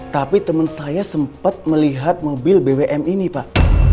tapi teman saya sempat melihat mobil bwm ini pak